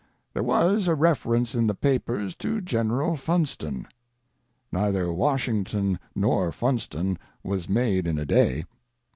There was a reference in the papers to General Funston. Neither Washington nor Funston was made in a day.